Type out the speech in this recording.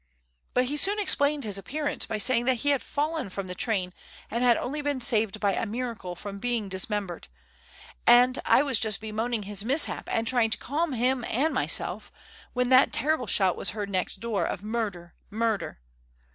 But he soon explained his appearance by saying that he had fallen from the train and had only been saved by a miracle from being dismembered; and I was just bemoaning his mishap and trying to calm him and myself, when that terrible shout was heard next door of 'Murder! murder!